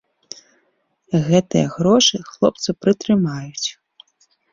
Гэтыя грошы хлопцы прытрымаюць.